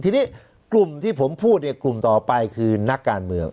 ทีนี้กลุ่มที่ผมพูดเนี่ยกลุ่มต่อไปคือนักการเมือง